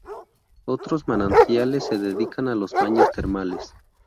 Otros manantiales se dedican a los baños termales.